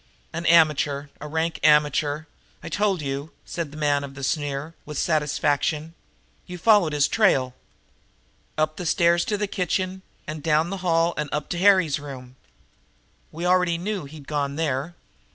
"An amateur a rank amateur! I told you!" said the man of the sneer, with satisfaction. "You followed his trail?" "Up the stairs to the kitchen and down the hall and up to Harry's room." "We already knew he'd gone there."